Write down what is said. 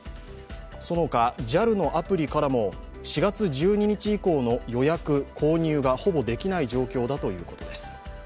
そのほか、ＪＡＬのアプリからも４月１２日以降の予約・購入がほぼできない状況だということです。